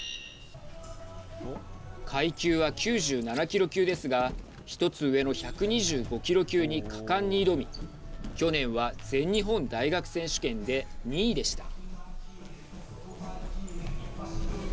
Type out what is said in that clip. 階級は、９７キロ級ですが１つ上の１２５キロ級に果敢に挑み去年は、全日本大学選手権で２位でした。